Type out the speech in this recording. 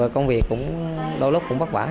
công việc cũng đôi lúc cũng bất vả